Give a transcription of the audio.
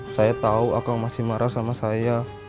saya tahu aku masih marah sama saya